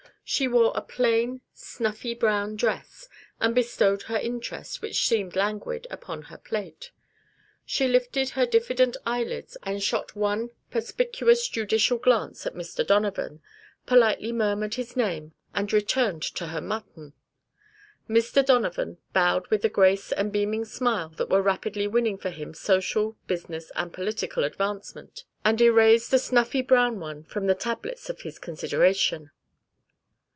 She wore a plain, snuffy brown dress, and bestowed her interest, which seemed languid, upon her plate. She lifted her diffident eyelids and shot one perspicuous, judicial glance at Mr. Donovan, politely murmured his name, and returned to her mutton. Mr. Donovan bowed with the grace and beaming smile that were rapidly winning for him social, business and political advancement, and erased the snuffy brown one from the tablets of his consideration.